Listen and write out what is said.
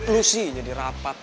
lo sih jadi rapat